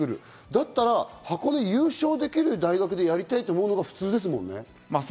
だったら箱内優勝できる大学でやりたいと思うのが普通ですもんね。